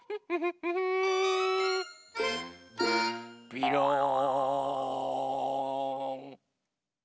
びろん！